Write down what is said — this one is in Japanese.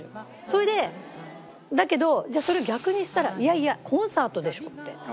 それでだけどじゃあそれを逆にしたら「いやいやコンサートでしょ？」って言う人もいるし。